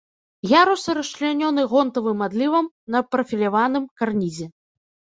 Ярусы расчлянёны гонтавым адлівам на прафіляваным карнізе.